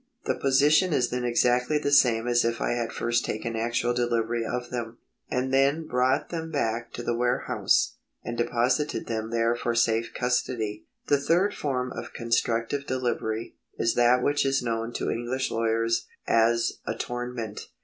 The posi tion is then exactly the same as if I had first taken actual delivery of them, and then brought them back to the ware house, and deposited them there for safe custody. ^ The third form of constructive delivery is that which is known to English lawyers as attornment.